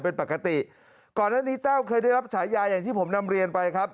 เป็นปกติก่อนหน้านี้แต้วเคยได้รับฉายาอย่างที่ผมนำเรียนไปครับ